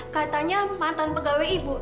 katanya mantan pegawai ibu